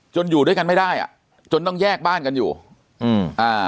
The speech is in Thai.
อยู่ด้วยกันไม่ได้อ่ะจนต้องแยกบ้านกันอยู่อืมอ่า